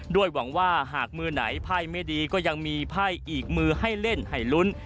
หวังว่าหากมือไหนไพ่ไม่ดีก็ยังมีไพ่อีกมือให้เล่นให้ลุ้น